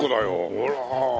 ほら。